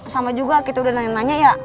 sama juga kita udah nanya nanya ya